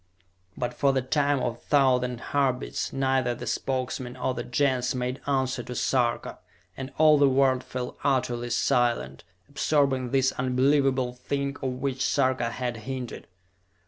But for the time of a thousand heartbeats neither the Spokesmen or the Gens made answer to Sarka, and all the world fell utterly silent, absorbing this unbelievable thing of which Sarka had hinted.